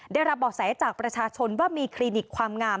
ได้รับบ่อแสจากประชาชนว่ามีคลินิกความงาม